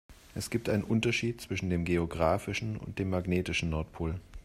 Es gibt einen Unterschied zwischen dem geografischen und dem magnetischen Nordpol.